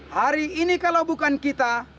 hari ini kalau bukan kita